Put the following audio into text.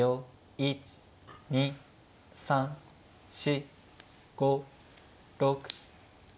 １２３４５６。